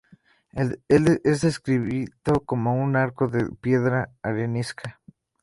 Es descrito como "un arco de piedra arenisca".